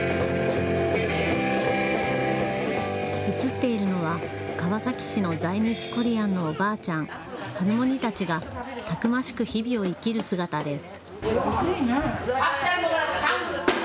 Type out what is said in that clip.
映っているのは川崎市の在日コリアンのおばあちゃん・ハルモニたちがたくましく日々を生きる姿です。